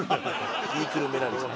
言いくるめられちゃった。